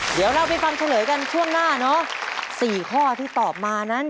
เดี๋ยวเราไปฟังทัวร์เหลือกันช่วงหน้าสี่ข้อที่ตอบมานั้น